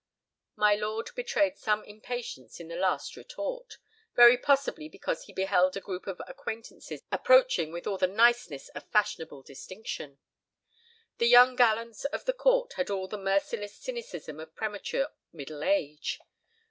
My lord betrayed some impatience in his last retort, very possibly because he beheld a group of acquaintances approaching with all the niceness of fashionable distinction. The young gallants of the court had all the merciless cynicism of premature middle age.